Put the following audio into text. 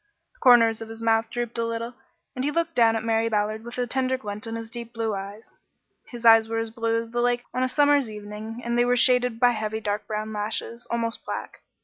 The corners of his mouth drooped a little, and he looked down at Mary Ballard with a tender glint in his deep blue eyes. His eyes were as blue as the lake on a summer's evening, and they were shaded by heavy dark brown lashes, almost black.